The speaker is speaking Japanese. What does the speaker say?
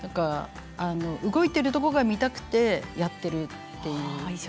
動いているところが見たくてやっているという。